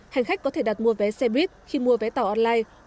hành khách có thể đặt mua vé xe buýt khi mua vé tàu online